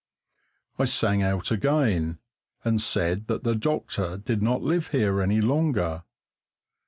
I sang out again, and said that the doctor did not live here any longer.